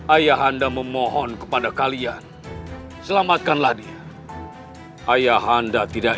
ayah anda memohon kepada kalian selamatkanlah dia ayah anda tidak